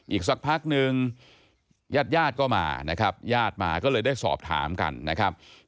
อีกสักพักนึงญาติญาติก็มานะครับญาติมาก็เลยได้สอบถามกันนะครับ